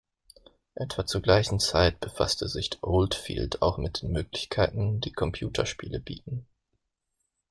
Etwa zur gleichen Zeit befasste sich Oldfield auch mit den Möglichkeiten, die Computerspiele bieten.